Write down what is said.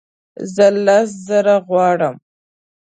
زه لس زره غواړم